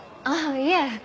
ああいえ。